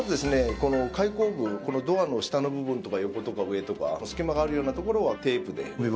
この開口部このドアの下の部分とか横とか上とか隙間があるような所はテープで目張りして頂いて。